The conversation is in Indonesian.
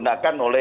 baik tuanku bye